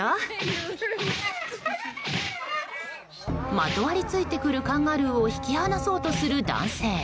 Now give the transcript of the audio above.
まとわりついてくるカンガルーを引き離そうとする男性。